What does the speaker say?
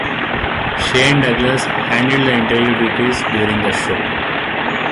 Shane Douglas handled the interview duties during the show.